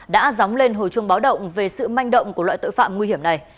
đã dóng lên hồi chuông báo động về sự manh động của loại tội phạm nguy hiểm này